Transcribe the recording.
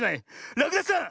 らくだしさん